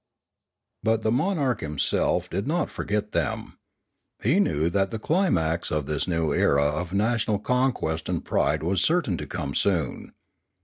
But the monarch himself did not forget them. He knew that the climax of this new era of national con quest and pride was certain to come soon.